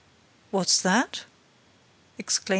"What's that?" exclaimed M.